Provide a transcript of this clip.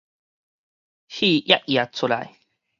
戲搤搤出來